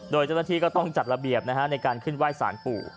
โดยเจ้าหน้าที่ก็ต้องจัดระเบียบในการขึ้นไหว้สารปู่